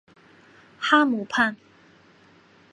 哈姆畔。